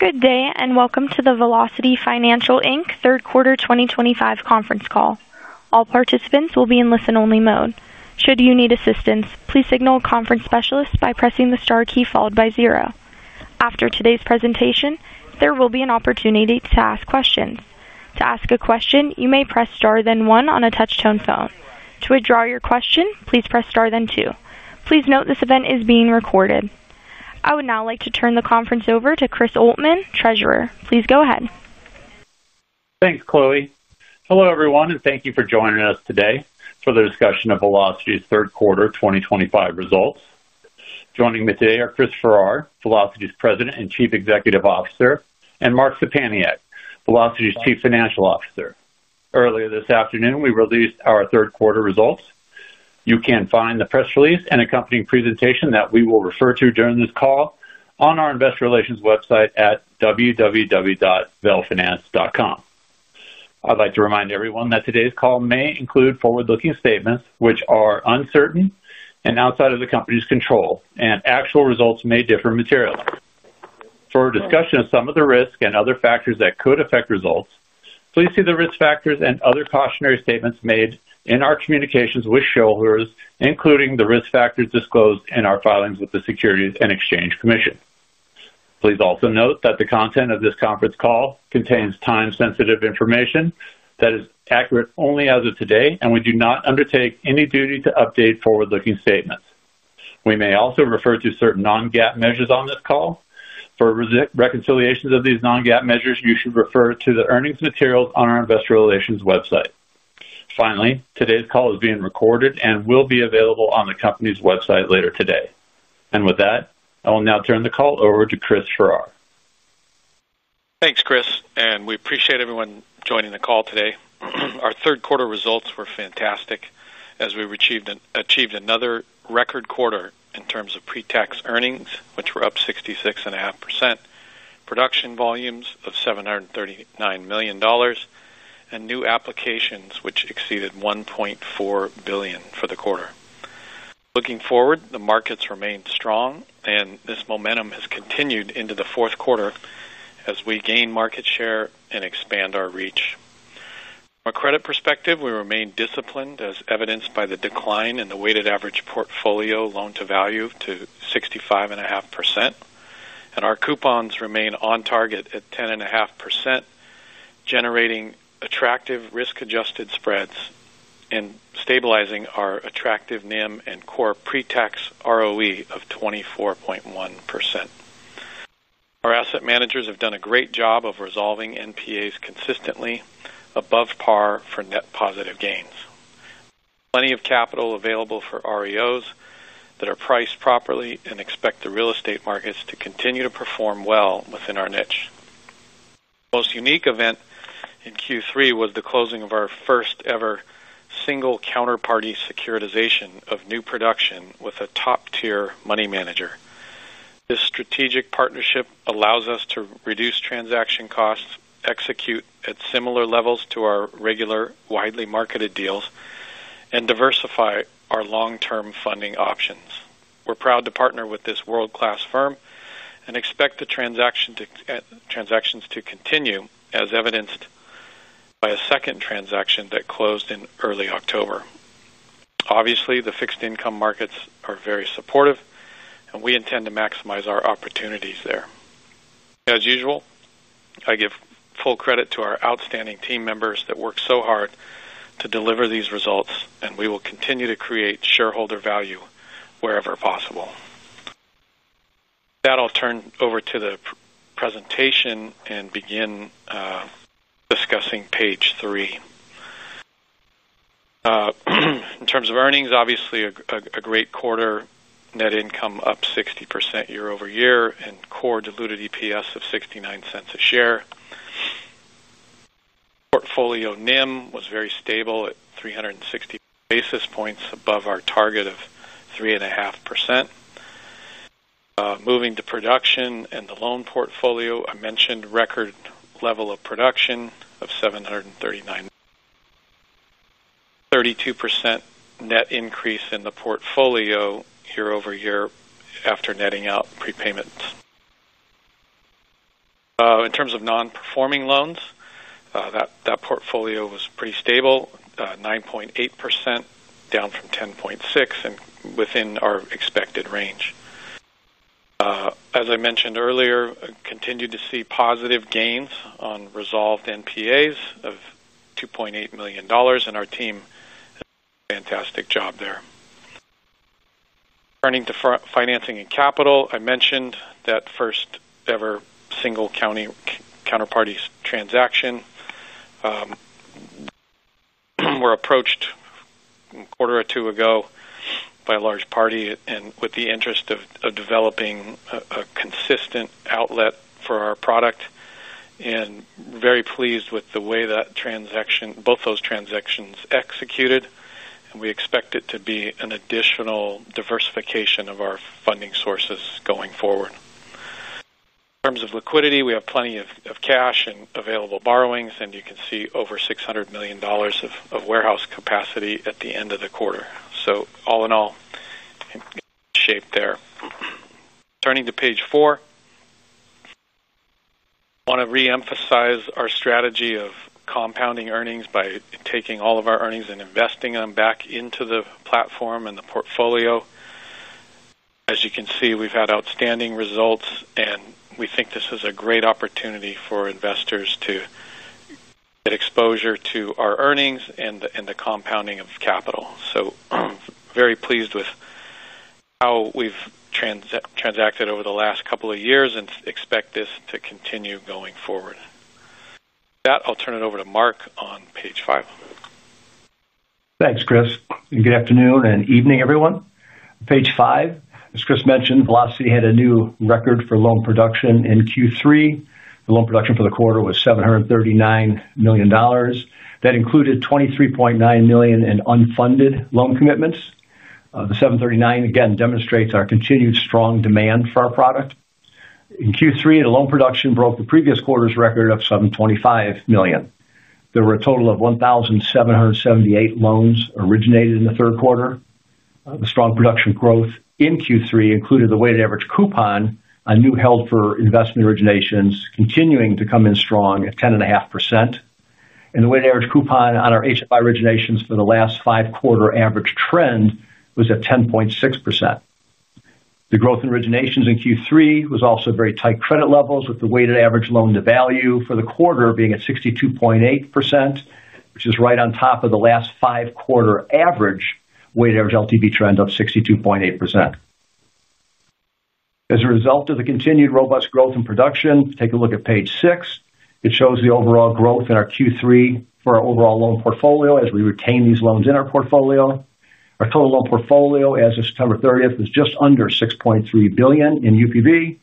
Good day and welcome to the Velocity Financial Inc third quarter 2025 conference call. All participants will be in listen-only mode. Should you need assistance, please signal a conference specialist by pressing the star key followed by zero. After today's presentation, there will be an opportunity to ask questions. To ask a question, you may press star then one on a touch-tone phone. To withdraw your question, please press star then two. Please note this event is being recorded. I would now like to turn the conference over to Chris Oltmann, Treasurer. Please go ahead. Thanks, Chloe. Hello, everyone, and thank you for joining us today for the discussion of Velocity's third quarter 2025 results. Joining me today are Chris Farrar, Velocity's President and Chief Executive Officer, and Mark Szczepaniak, Velocity's Chief Financial Officer. Earlier this afternoon, we released our third quarter results. You can find the press release and accompanying presentation that we will refer to during this call on our investor relations website at www.velfinance.com. I'd like to remind everyone that today's call may include forward-looking statements which are uncertain and outside of the company's control, and actual results may differ materially. For discussion of some of the risk and other factors that could affect results, please see the risk factors and other cautionary statements made in our communications with shareholders, including the risk factors disclosed in our filings with the Securities and Exchange Commission. Please also note that the content of this conference call contains time-sensitive information that is accurate only as of today, and we do not undertake any duty to update forward-looking statements. We may also refer to certain non-GAAP measures on this call. For reconciliations of these non-GAAP measures, you should refer to the earnings materials on our investor relations website. Finally, today's call is being recorded and will be available on the company's website later today. I will now turn the call over to Chris Farrar. Thanks, Chris, and we appreciate everyone joining the call today. Our third quarter results were fantastic as we achieved another record quarter in terms of pre-tax earnings, which were up 66.5%, production volumes of $739 million, and new applications, which exceeded $1.4 billion for the quarter. Looking forward, the markets remained strong, and this momentum has continued into the fourth quarter as we gain market share and expand our reach. From a credit perspective, we remain disciplined, as evidenced by the decline in the weighted average portfolio loan-to-value to 65.5%, and our coupons remain on target at 10.5%, generating attractive risk-adjusted spreads and stabilizing our attractive NIM and core pre-tax ROE of 24.1%. Our asset managers have done a great job of resolving NPAs consistently above par for net positive gains. Plenty of capital available for REOs that are priced properly and expect the real estate markets to continue to perform well within our niche. The most unique event in Q3 was the closing of our first-ever single counterparty securitization of new production with a top-tier money manager. This strategic partnership allows us to reduce transaction costs, execute at similar levels to our regular widely marketed deals, and diversify our long-term funding options. We're proud to partner with this world-class firm and expect the transactions to continue as evidenced by a second transaction that closed in early October. Obviously, the fixed income markets are very supportive, and we intend to maximize our opportunities there. As usual, I give full credit to our outstanding team members that worked so hard to deliver these results, and we will continue to create shareholder value wherever possible. With that, I'll turn over to the presentation and begin. Discussing page three. In terms of earnings, obviously a great quarter, net income up 60% year-over-year and core diluted EPS of $0.69 a share. Portfolio NIM was very stable at 360 basis points above our target of 3.5%. Moving to production and the loan portfolio, I mentioned record level of production of 739. 32% net increase in the portfolio year-over-year after netting out prepayments. In terms of non-performing loans. That portfolio was pretty stable, 9.8% down from 10.6% and within our expected range. As I mentioned earlier, we continue to see positive gains on resolved NPAs of $2.8 million, and our team has done a fantastic job there. Turning to financing and capital, I mentioned that first-ever single county counterparty transaction. We were approached. A quarter or two ago by a large party with the interest of developing a consistent outlet for our product. I am very pleased with the way that both those transactions executed, and we expect it to be an additional diversification of our funding sources going forward. In terms of liquidity, we have plenty of cash and available borrowings, and you can see over $600 million of warehouse capacity at the end of the quarter. All in all, good shape there. Turning to page four, I want to re-emphasize our strategy of compounding earnings by taking all of our earnings and investing them back into the platform and the portfolio. As you can see, we have had outstanding results, and we think this is a great opportunity for investors to get exposure to our earnings and the compounding of capital. I am very pleased with. How we've transacted over the last couple of years and expect this to continue going forward. With that, I'll turn it over to Mark on page five. Thanks, Chris. Good afternoon and evening, everyone. Page five, as Chris mentioned, Velocity had a new record for loan production in Q3. The loan production for the quarter was $739 million. That included $23.9 million in unfunded loan commitments. The $739 million, again, demonstrates our continued strong demand for our product. In Q3, the loan production broke the previous quarter's record of $725 million. There were a total of 1,778 loans originated in the third quarter. The strong production growth in Q3 included the weighted average coupon on new held-for-investment originations continuing to come in strong at 10.5%. The weighted average coupon on our HFI originations for the last five quarter average trend was at 10.6%. The growth in originations in Q3 was also very tight credit levels, with the weighted average loan-to-value for the quarter being at 62.8%, which is right on top of the last five quarter average weighted average LTV trend of 62.8%. As a result of the continued robust growth in production, take a look at page six. It shows the overall growth in our Q3 for our overall loan portfolio as we retain these loans in our portfolio. Our total loan portfolio as of September 30th was just under $6.3 billion in UPB.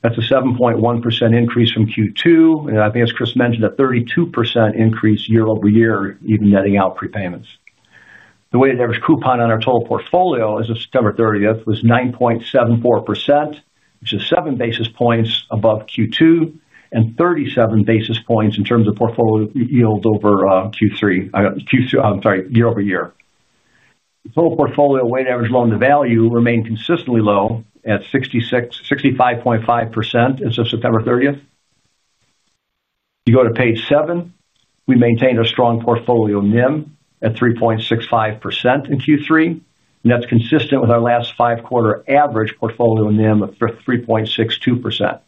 That's a 7.1% increase from Q2. I think, as Chris mentioned, a 32% increase year-over-year, even netting out prepayments. The weighted average coupon on our total portfolio as of September 30th was 9.74%, which is seven basis points above Q2 and 37 basis points in terms of portfolio yield over Q3. I'm sorry, year-over-year. The total portfolio weighted average loan-to-value remained consistently low at 65.5% as of September 30th. If you go to page seven, we maintained a strong portfolio NIM at 3.65% in Q3, and that's consistent with our last five quarter average portfolio NIM of 3.62%.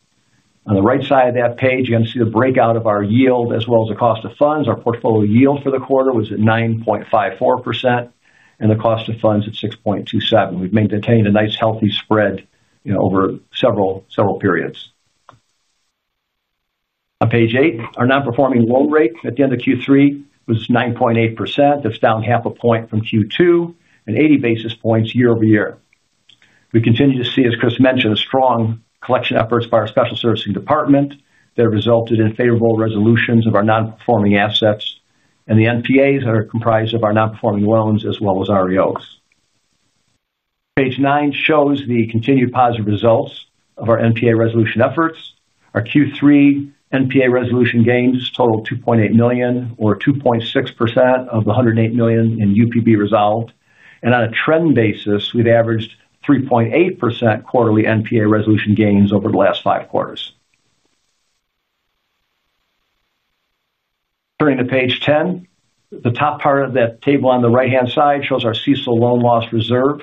On the right side of that page, you can see the breakout of our yield as well as the cost of funds. Our portfolio yield for the quarter was at 9.54% and the cost of funds at 6.27%. We've maintained a nice healthy spread over several periods. On page eight, our non-performing loan rate at the end of Q3 was 9.8%. That's down half a point from Q2 and 80 basis points year-over-year. We continue to see, as Chris mentioned, strong collection efforts by our special servicing department that resulted in favorable resolutions of our non-performing assets and the NPAs that are comprised of our non-performing loans as well as REOs. Page nine shows the continued positive results of our NPA resolution efforts. Our Q3 NPA resolution gains totaled $2.8 million, or 2.6% of the $108 million in UPB resolved. On a trend basis, we've averaged 3.8% quarterly NPA resolution gains over the last five quarters. Turning to page 10, the top part of that table on the right-hand side shows our CECL loan loss reserve.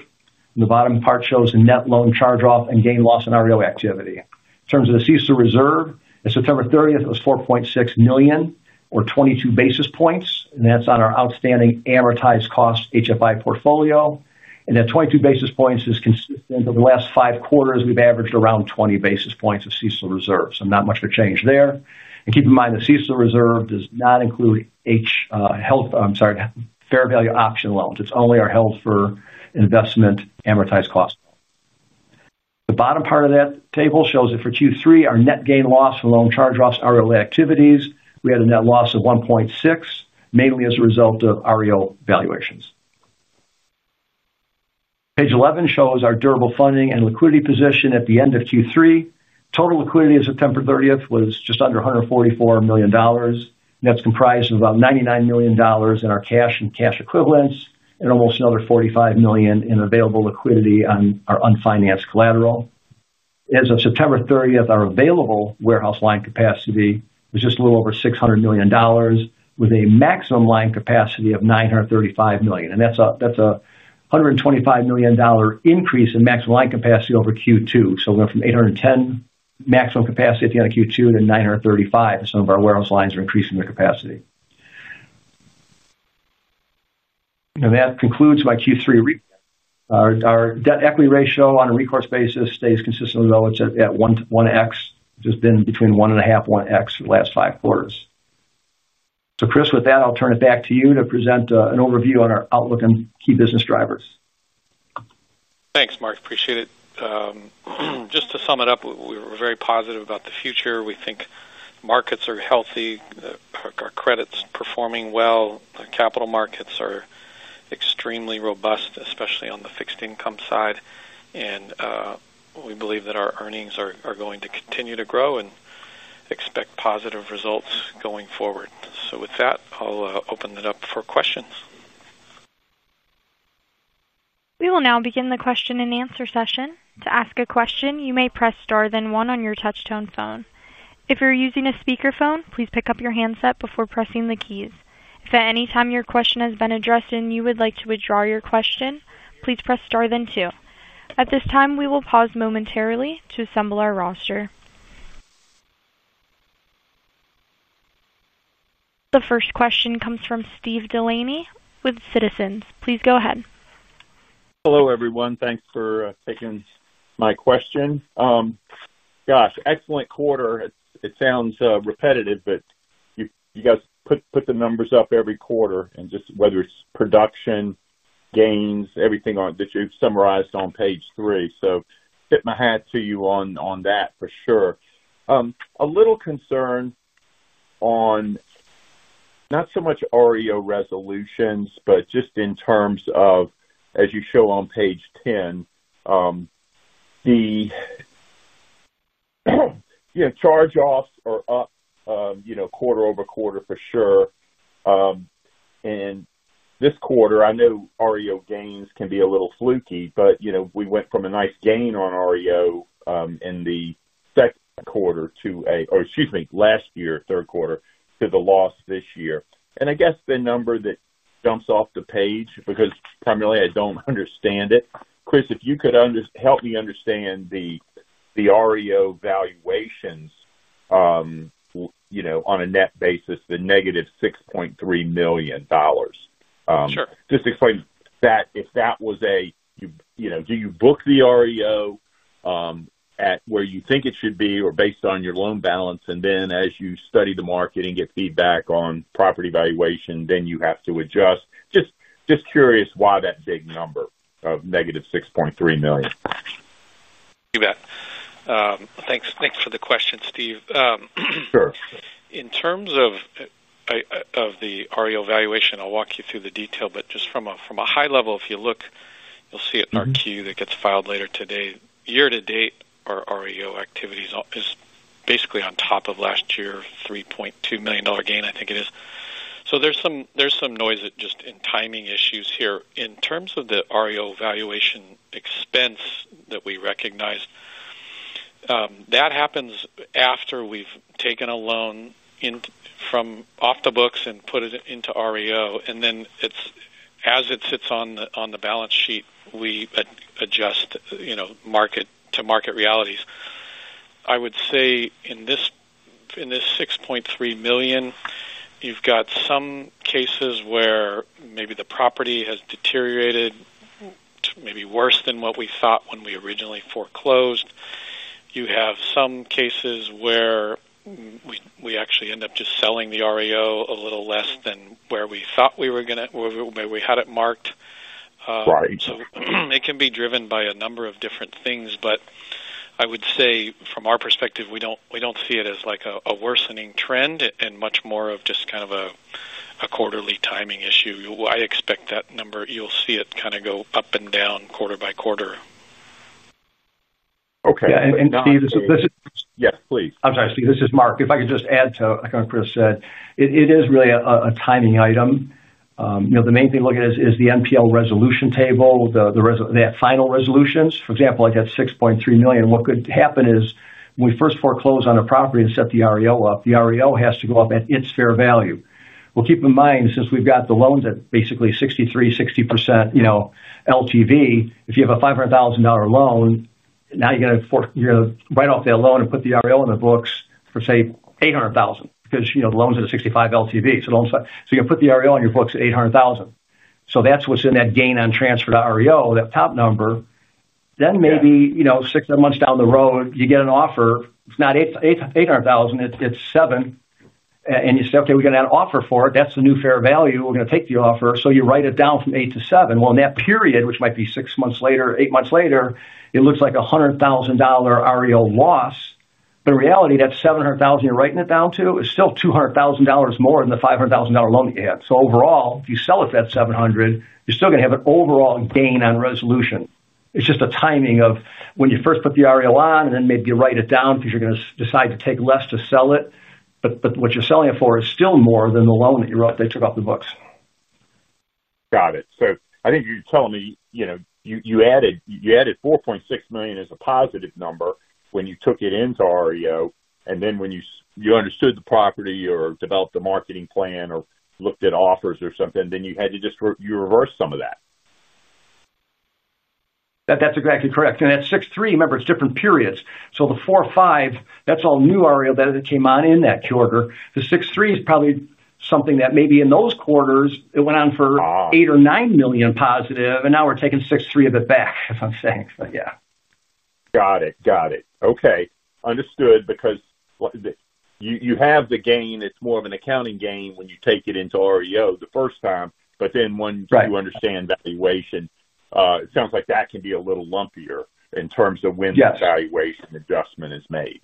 The bottom part shows net loan charge-off and gain-loss and REO activity. In terms of the CECL reserve, as of September 30th, it was $4.6 million, or 22 basis points, and that's on our outstanding amortized cost HFI portfolio. That 22 basis points is consistent over the last five quarters. We have averaged around 20 basis points of CECL reserve, so not much to change there. Keep in mind the CECL reserve does not include fair value option loans. It is only our held-for-investment amortized cost. The bottom part of that table shows that for Q3, our net gain-loss and loan charge-off REO activities, we had a net loss of $1.6 million, mainly as a result of REO valuations. Page 11 shows our durable funding and liquidity position at the end of Q3. Total liquidity as of September 30th was just under $144 million. That is comprised of about $99 million in our cash and cash equivalents and almost another $45 million in available liquidity on our unfinanced collateral. As of September 30th, our available warehouse line capacity was just a little over $600 million, with a maximum line capacity of $935 million. That is a $125 million increase in maximum line capacity over Q2. We went from $810 million maximum capacity at the end of Q2 to $935 million as some of our warehouse lines are increasing their capacity. That concludes my Q3 recap. Our debt equity ratio on a recourse basis stays consistently low. It is at 1x, which has been between 1.5x and 1x for the last five quarters. Chris, with that, I will turn it back to you to present an overview on our outlook and key business drivers. Thanks, Mark. Appreciate it. Just to sum it up, we were very positive about the future. We think markets are healthy. Our credit's performing well. The capital markets are extremely robust, especially on the fixed income side. We believe that our earnings are going to continue to grow and expect positive results going forward. With that, I'll open it up for questions. We will now begin the question and answer session. To ask a question, you may press star then one on your touch-tone phone. If you're using a speakerphone, please pick up your handset before pressing the keys. If at any time your question has been addressed and you would like to withdraw your question, please press star then two. At this time, we will pause momentarily to assemble our roster. The first question comes from Steve Delaney with Citizens. Please go ahead. Hello everyone. Thanks for taking my question. Gosh, excellent quarter. It sounds repetitive, but you guys put the numbers up every quarter and just whether it's production, gains, everything that you've summarized on page three. I tip my hat to you on that for sure. A little concern, not so much REO resolutions, but just in terms of, as you show on page 10, the charge-offs are up quarter-over-quarter for sure. This quarter, I know REO gains can be a little fluky, but we went from a nice gain on REO in the second quarter to a—oh, excuse me, last year third quarter to the loss this year. I guess the number that jumps off the page, because primarily I don't understand it, Chris, if you could help me understand the REO valuations. On a net basis, the -$6.3 million. Just to explain that, if that was a—do you book the REO at where you think it should be or based on your loan balance? And then as you study the market and get feedback on property valuation, then you have to adjust. Just curious why that big number of -$6.3 million. You bet. Thanks for the question, Steve. In terms of the REO valuation, I'll walk you through the detail, but just from a high level, if you look, you'll see an RQ that gets filed later today. Year to date, our REO activity is basically on top of last year's $3.2 million gain, I think it is. There is some noise just in timing issues here. In terms of the REO valuation expense that we recognized, that happens after we've taken a loan off the books and put it into REO. As it sits on the balance sheet, we adjust to market realities. I would say in this $6.3 million, you've got some cases where maybe the property has deteriorated, maybe worse than what we thought when we originally foreclosed. You have some cases where. We actually end up just selling the REO a little less than where we thought we were going to, where we had it marked. It can be driven by a number of different things, but I would say from our perspective, we don't see it as a worsening trend and much more of just kind of a quarterly timing issue. I expect that number, you'll see it kind of go up and down quarter by quarter. Okay. Steve, this is—yeah, please. I'm sorry, Steve. This is Mark. If I could just add to what Chris said, it is really a timing item. The main thing to look at is the NPL resolution table, the final resolutions. For example, like that $6.3 million, what could happen is when we first foreclose on a property and set the REO up, the REO has to go up at its fair value. Keep in mind, since we've got the loans at basically 63%, 60% LTV, if you have a $500,000 loan, now you're going to write off that loan and put the REO in the books for, say, $800,000 because the loan's at a 65% LTV. You're going to put the REO on your books at $800,000. That's what's in that gain-on-transfer to REO, that top number. Maybe six, seven months down the road, you get an offer. It's not $800,000, it's $700,000. You say, "Okay, we're going to add an offer for it. That's the new fair value. We're going to take the offer." You write it down from $800,000 to $700,000. In that period, which might be six months later, eight months later, it looks like a $100,000 REO loss. In reality, that $700,000 you're writing it down to is still $200,000 more than the $500,000 loan that you had. Overall, if you sell it for that $700,000, you're still going to have an overall gain on resolution. It's just the timing of when you first put the REO on and then maybe you write it down because you're going to decide to take less to sell it. What you're selling it for is still more than the loan that they took off the books. Got it. I think you're telling me you added $4.6 million as a positive number when you took it into REO, and then when you understood the property or developed the marketing plan or looked at offers or something, you had to just reverse some of that. That's exactly correct. That's 6.3. Remember, it's different periods. The 4.5, that's all new REO that came on in that quarter. The 6.3 is probably something that maybe in those quarters, it went on for $8 million or $9 million positive, and now we're taking 6.3 of it back, that's what I'm saying. Yeah. Got it. Got it. Okay. Understood. Because you have the gain. It's more of an accounting gain when you take it into REO the first time. Once you understand valuation, it sounds like that can be a little lumpier in terms of when the valuation adjustment is made.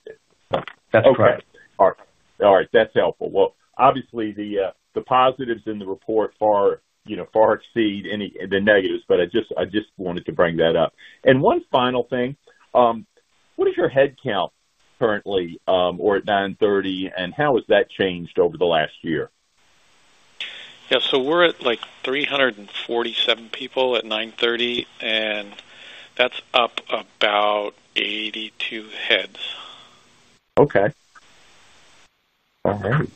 That's correct. Okay. All right. That's helpful. Obviously, the positives in the report far exceed the negatives, but I just wanted to bring that up. One final thing. What is your headcount currently or at 9/30, and how has that changed over the last year? Yeah. So we're at like 347 people at 9/30, and that's up about 82 heads. Okay. All right.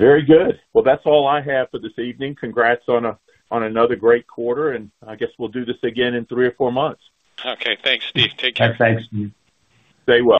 Very good. That's all I have for this evening. Congrats on another great quarter, and I guess we'll do this again in three or four months. Okay. Thanks, Steve. Take care. Thanks, Steve. Stay well.